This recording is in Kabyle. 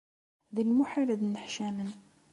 D lmuḥal ad nneḥcamen.